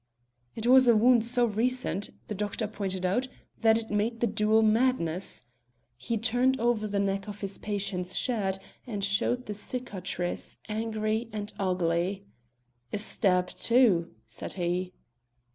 It was a wound so recent, the doctor pointed out, that it made the duel madness. He turned over the neck of his patient's shirt and showed the cicatrice, angry and ugly. "A stab, too!" said he.